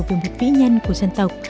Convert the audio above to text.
về một vĩ nhân của dân tộc